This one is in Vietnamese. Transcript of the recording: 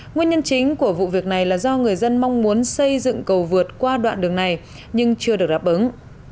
nguyên nhân chính của vụ việc này là do người dân mong muốn xây dựng cầu vượt qua đoạn đường này nhưng chưa được đáp ứng